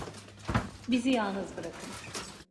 Bizi yalnız bırakın.